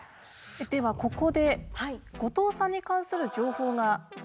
ではここで後藤さんに関する情報が入ってきました。